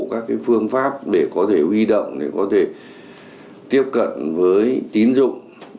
các cái phương pháp để có thể huy động để có thể tiếp cận với tiến dụng